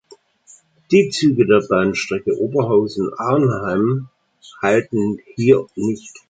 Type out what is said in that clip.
Die Züge der Bahnstrecke Oberhausen–Arnhem halten hier nicht.